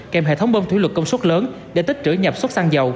kèm hệ thống bông thủy luật công suất lớn để tích trữ nhập suất xăng dầu